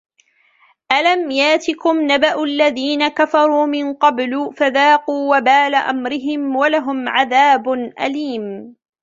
أَلَمْ يَأْتِكُمْ نَبَأُ الَّذِينَ كَفَرُوا مِنْ قَبْلُ فَذَاقُوا وَبَالَ أَمْرِهِمْ وَلَهُمْ عَذَابٌ أَلِيمٌ